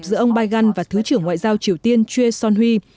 giữa ông biden và thứ trưởng ngoại giao triều tiên choi son hui